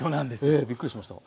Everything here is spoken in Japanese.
ええびっくりしました。